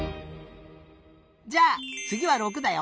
じゃあつぎは６だよ！